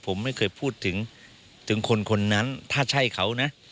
ผมไม่เคยพูดถึงถึงคนคนนั้นถ้าใช่เขานะ